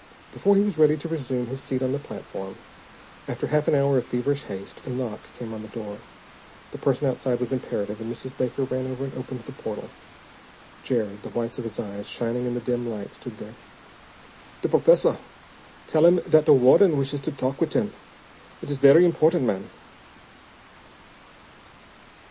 Before he was ready to resume his seat on the platform, after half an hour of feverish haste, a knock came on the door. The person outside was imperative, and Mrs. Baker ran over and opened the portal. Jared, the whites of his eyes shining in the dim light, stood there. "De professah tell him dat de wahden wishes to talk with him. It is very important, ma'am."